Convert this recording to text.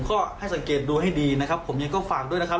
ก็ให้สังเกตดูให้ดีนะครับผมยังก็ฝากด้วยนะครับ